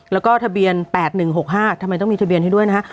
แล้วก็ทะเบียน๘๑๖๕ทำไมต้องมีทะเบียนให้ด้วยนะฮะ